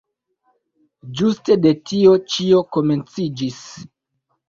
Ĝuste de tio ĉio komenciĝis.